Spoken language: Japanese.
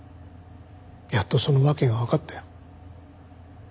やっとその訳がわかったよ。